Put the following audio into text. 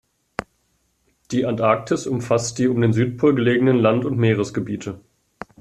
Die Antarktis umfasst die um den Südpol gelegenen Land- und Meeresgebiete.